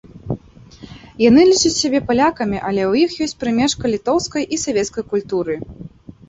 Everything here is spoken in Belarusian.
Яны лічаць сябе палякамі, але ў іх ёсць прымешка літоўскай і савецкай культуры.